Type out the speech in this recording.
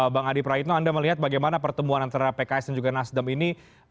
bang adi praitno anda melihat bagaimana pertemuan antara pks dan juga nasdem ini